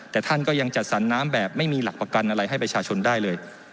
แต่ท่านก็ยังจัดสรรน้ำแบบไม่มีหลักประกันอะไรให้ประชาชนได้เลย